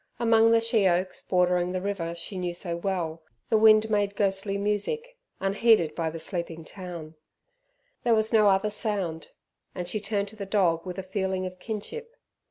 Among the sheoaks, bordering the river she knew so well, the wind made ghostly music, unheeded by the sleeping town. There was no other sound, and she turned to the dog with a feeling of kinship.